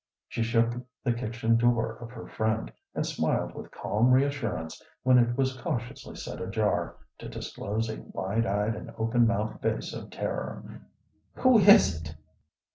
She shook the kitchen door of her friend, and smiled with calm reassurance when it was cautiously set ajar to disclose a wide eyed and open mouthed face of terror. "Who is it?"